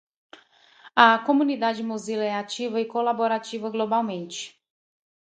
A comunidade Mozilla é ativa e colaborativa globalmente.